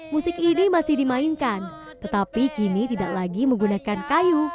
musik ini masih dimainkan tetapi kini tidak lagi menggunakan kayu